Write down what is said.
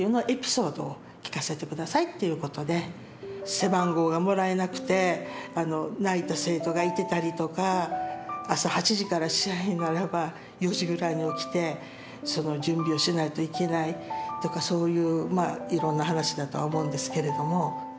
背番号がもらえなくて泣いた生徒がいてたりとか朝８時から試合ならば４時ぐらいに起きてその準備をしないといけないとかそういういろんな話だとは思うんですけれども。